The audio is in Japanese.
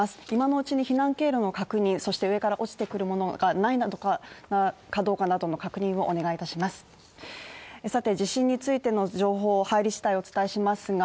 今のうちの避難経路の確認上から落ちてくるものがないかどうかなどの確認をお願いいたします。